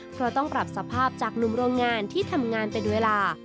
เพราะต้องปรับสภาพจากหนุ่มโรงงานที่ทำงานเป็นเวลา